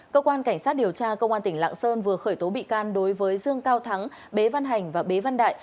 cơ quan cảnh sát điều tra công an tp hcm vừa khởi tố bị can đối với dương cao thắng bế văn hành và bế văn đại